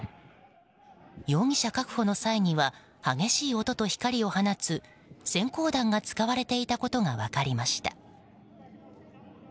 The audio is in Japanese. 容疑者確保の際には激しい音と光を放つ閃光弾が使われていたことが分かりました。